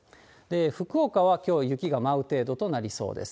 福岡はきょう、雪が舞う程度となりそうです。